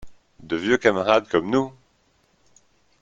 De vieux camarades comme nous !…